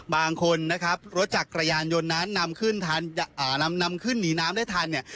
บางคนนะครับรถจักรยานยนต์นั้นนำขึ้นทันนำขึ้นหนีน้ำได้ทันเนี่ย